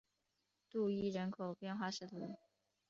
杜伊人口变化图示